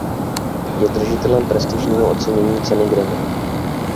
Je držitelem prestižního ocenění Ceny Grammy.